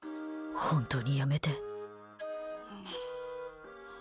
本当にやめて。